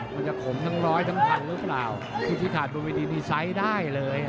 มันจะขมทั้งร้อยทั้งพันหรือเปล่าคือที่ขาดบนวิธีมีไซส์ได้เลย